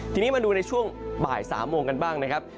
ทีนี้มาดูในช่วงบ่าย๓โมงกันบ้างนะครับ